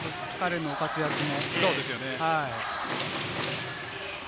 彼の活躍も。